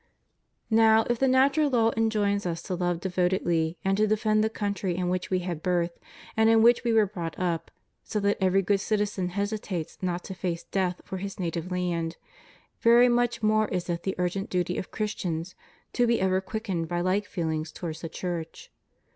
Now, if the natural law enjoins us to love devotedly and to defend the country in which we had birth, and in which we were brought up, so that every good citizen hesitates not to face death for his native land, very much more is it the urgent duty of Christians to be ever quickened by like feelings towards the Church.